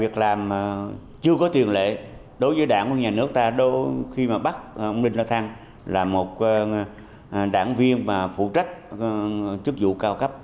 chưa có tuyên lệ đối với đảng của nhà nước ta khi mà bắt ông đinh la thăng là một đảng viên mà phụ trách chức vụ cao cấp